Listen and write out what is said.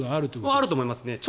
あると思います。